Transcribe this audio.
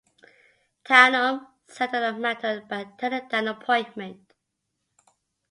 Thanom settled the matter by turning down the appointment.